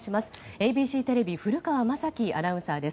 ＡＢＣテレビ古川昌希アナウンサーです。